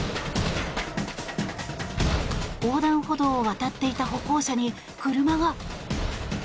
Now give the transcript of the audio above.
横断歩道を渡っていた歩行者に車が。